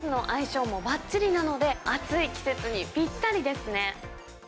冷たいアイスの相性もばっちりなので、暑い季節にぴったりですね。